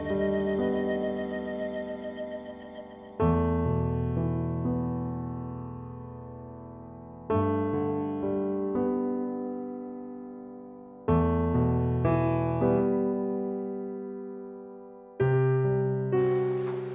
ก็หวังสาวเกี่ยวกับคนกี่คน